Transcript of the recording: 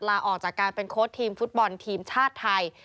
ลาออกจากการเป็นโค้ชทีมฟุตบอลทีมชาติไทย